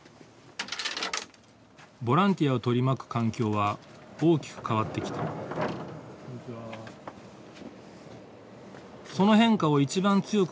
ボランティアを取り巻く環境は大きく変わってきたこんにちは。